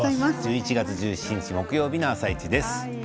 １１月１７日木曜日の「あさイチ」です。